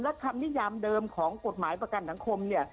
และคำนิยามเดิมของกฎหมายประกันสังคมเนี่ย